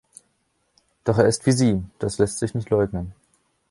Doch er ist wie Sie, das lässt sich nicht leugnen.